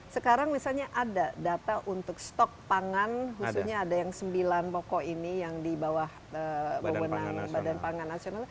sekarang misalnya ada data untuk stok pangan khususnya ada yang sembilan pokok ini yang di bawah wewenang badan pangan nasional